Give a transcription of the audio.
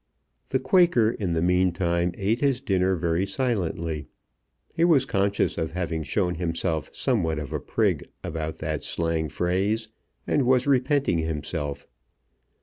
The Quaker in the mean time ate his dinner very silently. He was conscious of having shown himself somewhat of a prig about that slang phrase, and was repenting himself.